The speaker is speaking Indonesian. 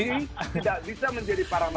tidak bisa menjadi paramedik